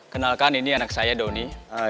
kenalkan ini anak saya doni